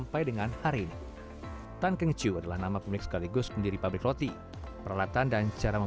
pabrik tan keng choo kini dikelola generasi keempat harisuarna